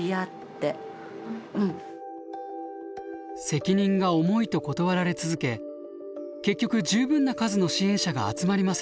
責任が重いと断られ続け結局十分な数の支援者が集まりませんでした。